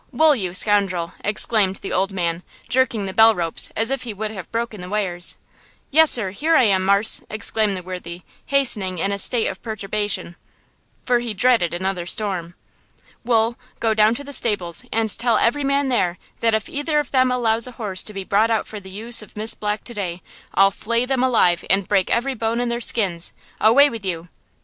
Wool, you scoundrel!" exclaimed the old man, jerking the bell rope as if he would have broken the wires. "Yes, sir; here I am, marse," exclaimed the worthy, hastening in in a state of perturbation, for he dreaded another storm. "Wool, go down to the stables and tell every man there that if either of them allows a horse to be brought out for the use of Miss Black to day, I'll flay them alive and break every bone in their skins. Away with you."